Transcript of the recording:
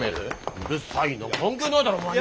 うるさいな関係ないだろお前には。